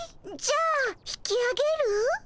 じゃあ引きあげる？